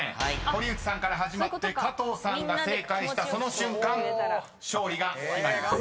［堀内さんから始まって加藤さんが正解したその瞬間勝利が決まります］